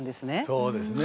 そうですね。